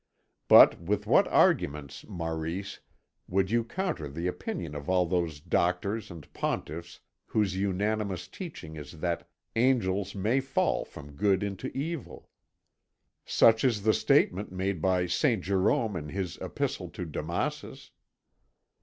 But with what arguments, Maurice, would you counter the opinion of all those Doctors and Pontiffs whose unanimous teaching it is that angels may fall from good into evil? Such is the statement made by Saint Jerome in his Epistle to Damasus...."